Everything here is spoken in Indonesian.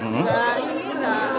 nah ini lah